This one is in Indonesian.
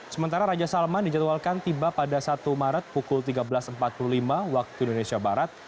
sementara raja salman dijadwalkan tiba pada satu maret pukul tiga belas empat puluh lima waktu indonesia barat